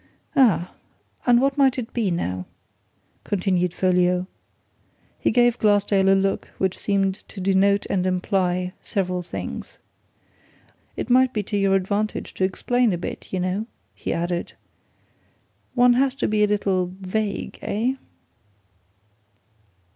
"Ah and what might it be, now?" continued Folliot. He gave Glassdale a look which seemed to denote and imply several things. "It might be to your advantage to explain a bit, you know," he added. "One has to be a little vague, eh?"